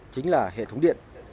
chính là hệ thống điện